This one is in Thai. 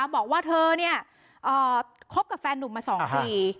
บอกว่าเธอเนี่ยเอ่อคบกับแฟนหนุ่มมาสองที